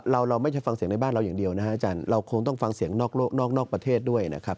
เราไม่ใช่ฟังเสียงในบ้านเราอย่างเดียวนะฮะอาจารย์เราคงต้องฟังเสียงนอกประเทศด้วยนะครับ